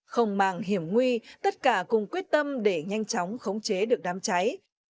không mang hiểm nguy tất cả cùng quyết tâm để nhanh chóng khống chế được đám cháy